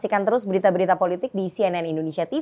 saksikan terus berita berita politik di cnn indonesia tv